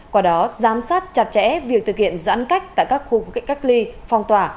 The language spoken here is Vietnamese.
quả đó giám sát chặt chẽ việc thực hiện giãn cách tại các khu cách ly phòng tỏa